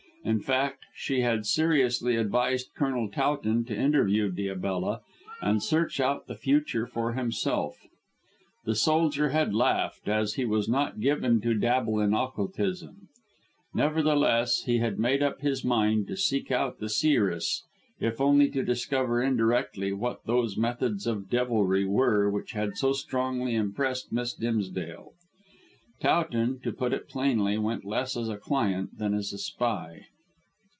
In fact, she had seriously advised Colonel Towton to interview Diabella and search out the future for himself. The soldier had laughed, as he was not given to dabble in occultism. Nevertheless, he had made up his mind to seek out the seeress, if only to discover indirectly what those methods of devilry were which had so strongly impressed Miss Dimsdale. Towton, to put it plainly, went less as a client than as a spy.